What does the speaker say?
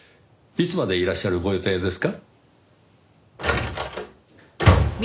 いつまでいらっしゃるご予定ですか？